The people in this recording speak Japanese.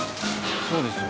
そうですよね。